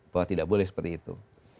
bahwa tidak boleh seperti itu